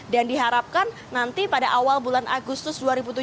dan diharapkan nanti pada awal bulan agustus dua ribu tujuh belas